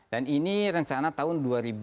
dan ini rencana tahun dua ribu enam